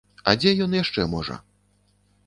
А дзе ён яшчэ можа?